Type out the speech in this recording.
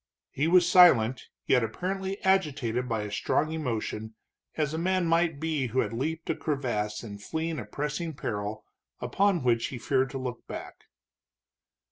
He was silent, yet apparently agitated by a strong emotion, as a man might be who had leaped a crevasse in fleeing a pressing peril, upon which he feared to look back.